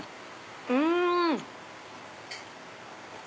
うん！